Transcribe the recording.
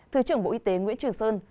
thứ trưởng bộ y tế nguyễn trường sơn